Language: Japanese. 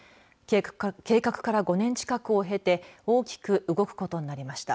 計画から５年近くを経て大きく動くことになりました。